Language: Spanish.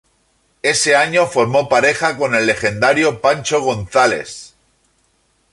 Ese año formó pareja con el legendario Pancho Gonzáles.